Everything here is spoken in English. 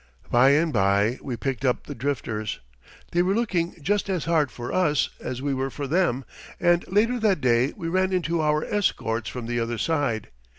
By and by we picked up the drifters. They were looking just as hard for us as we were for them; and later that day we ran into our escorts from the other side.